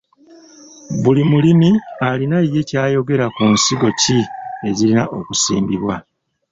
Buli mulimi alina ye ky'ayogera ku nsigo ki ezirina okusimbibwa.